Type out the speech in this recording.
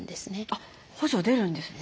あっ補助出るんですね。